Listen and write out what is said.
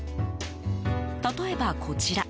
例えば、こちら。